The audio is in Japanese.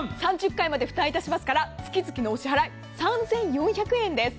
３０回まで負担しますから月々のお支払い３４００円です。